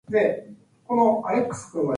It had to be restored and some sections rebuilt.